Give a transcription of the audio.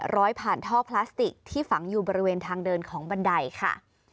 ร้อยผ่านท่อพลาสติกที่ฝังอยู่บริเวณทางเดินของบันไดค่ะ